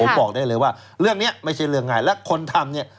ผมบอกได้เลยว่าเรื่องนี้ไม่ใช่เรื่องง่ายและคนทำเนี่ย